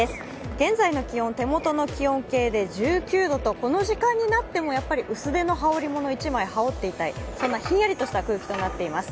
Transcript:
現在の気温手元の気温系で１９．３度と、この時間になっても１枚羽織っていたい、そんなひんやりとした空気になっています。